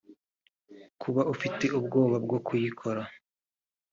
kuba ufite ubwoba bwo kuyikora